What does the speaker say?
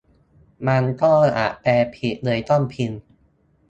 มันก็อาจแปลผิด เลยต้องพิมพ์